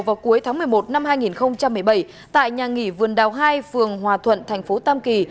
vào cuối tháng một mươi một năm hai nghìn một mươi bảy tại nhà nghỉ vườn đào hai phường hòa thuận thành phố tam kỳ